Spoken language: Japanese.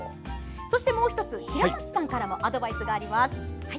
そして、もう１つ平松さんからもアドバイスがあります。